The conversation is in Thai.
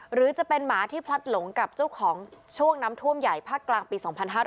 หรือจะเป็นหมาที่พลัดหลงกับเจ้าของช่วงน้ำท่วมใหญ่ภาคกลางปี๒๕๕๙